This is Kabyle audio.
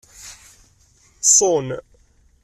Ṣun.